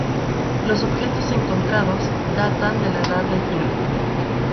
Los objetos encontrados datan de la Edad de hierro.